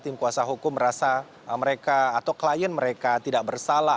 tim kuasa hukum merasa mereka atau klien mereka tidak bersalah